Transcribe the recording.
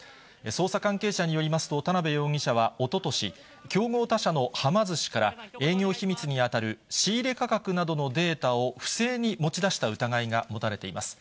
捜査関係者によりますと、田辺容疑者はおととし、競合他社のはま寿司から、営業秘密に当たる仕入れ価格などのデータを不正に持ち出した疑いが持たれています。